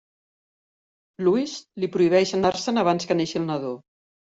Lewis li prohibeix anar-se'n abans que neixi el nadó.